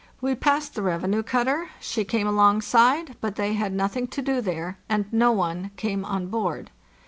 We passed the revenue cutter; she came alongside, but they had nothing to do there, and no one came on board.